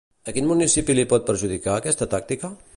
A quin municipi li pot perjudicar aquesta tàctica?